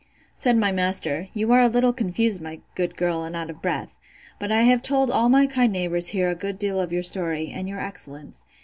Said my master, You are a little confused, my good girl, and out of breath; but I have told all my kind neighbours here a good deal of your story, and your excellence.